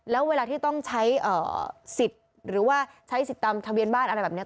แล้วเวลาที่ต้องใช้สิทธิ์หรือว่าใช้สิทธิ์ตามทะเบียนบ้านอะไรแบบนี้